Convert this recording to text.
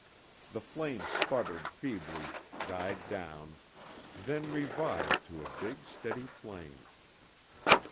The flame sputtered feebly, died down, then revived to a big, steady flame.